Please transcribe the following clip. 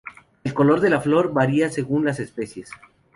El color de la flor varía según las especies.